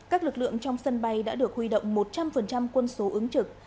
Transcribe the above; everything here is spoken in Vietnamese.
các lực lượng trong sân bay đã được huy động một trăm linh quân số ứng trực